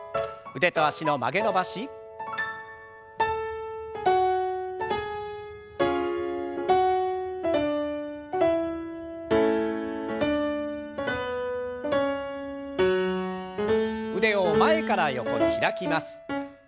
腕を前から横に開きます。